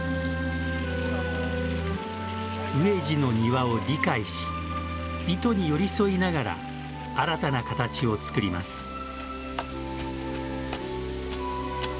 植治の庭を理解し意図に寄り添いながら新たな形をつくりました。